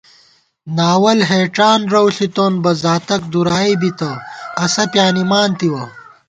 ناوَل ہېڄان رَؤ ݪِتون بہ زاتَک دُرائےبِتہ اسہ پیانِمان تِوَہ